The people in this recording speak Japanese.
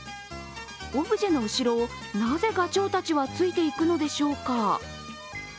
オブジェの後ろをなぜがちょうたちはついていくのでしょうか。